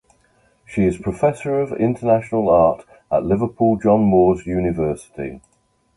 She is Professor of International Art at Liverpool John Moores University.